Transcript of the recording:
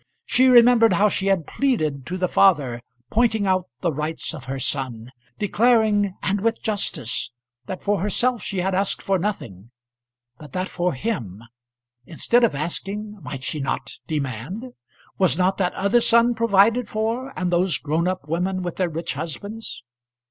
She remembered how she had pleaded to the father, pointing out the rights of her son declaring, and with justice, that for herself she had asked for nothing; but that for him instead of asking might she not demand? Was not that other son provided for, and those grown up women with their rich husbands?